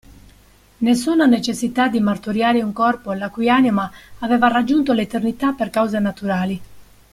Nessuna necessità di martoriare un corpo la cui anima aveva raggiunto l'eternità per cause naturali.